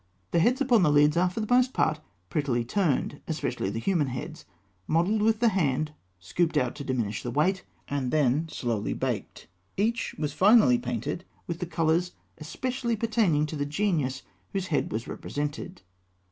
The heads upon the lids are for the most part prettily turned, especially the human heads. Modelled with the hand, scooped out to diminish the weight, and then slowly baked, each was finally painted with the colours especially pertaining to the genius whose head was represented.